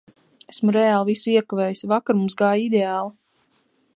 Esmu reāli visu iekavējusi. Vakar mums gāja ideāli!